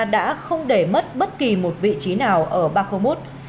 đã không để mất bất kỳ một vị trí nào ở bakhomut